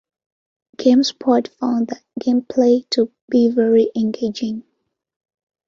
GameSpot found the gameplay to be very engaging.